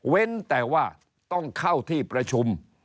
แต่ว่าต้องเข้าที่ประชุม